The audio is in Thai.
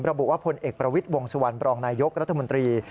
ระบุว่าพลเอกประวิทย์วงสุวรรณบรองนายยกรัฐมนตรี